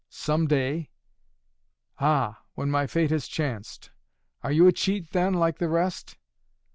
Some day " "Ah! When my fate has chanced! Are you a cheat then, like the rest?"